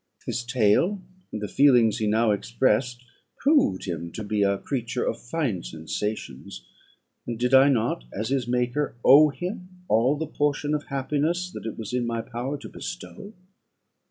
His tale, and the feelings he now expressed, proved him to be a creature of fine sensations; and did I not as his maker, owe him all the portion of happiness that it was in my power to bestow?